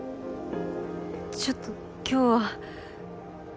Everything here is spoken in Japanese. ちょっと今日は。